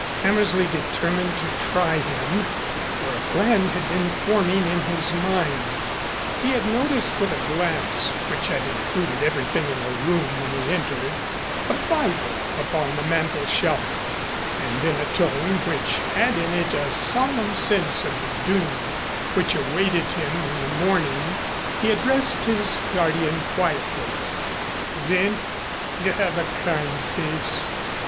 Hammersley determined to try him, for a plan had been forming in his mind. He had noticed with a glance which had included everything in the room when he entered, a Bible upon the mantelshelf, and in a tone which had in it a solemn sense of the doom which awaited him in the morning, he addressed his guardian quietly: "Senf, you have a kind face.